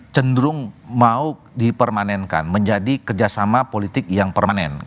cenderung mau dipermanenkan menjadi kerjasama politik yang permanen